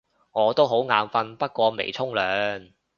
我都好眼瞓，不過未沖涼